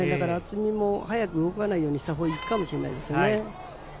渥美も早く動かないようにしたほうがいいかもしれませんね。